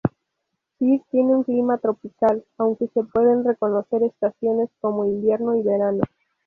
Gir tiene un clima tropical, aunque se pueden reconocer estaciones como invierno y verano.